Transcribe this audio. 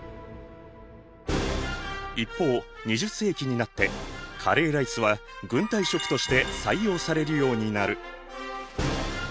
一方２０世紀になってカレーライスは軍隊食として採用されるようになる。